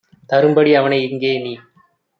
தரும்படி அவனை இங்கே - நீ